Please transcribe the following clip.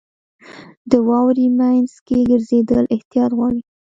• د واورې مینځ کې ګرځېدل احتیاط غواړي.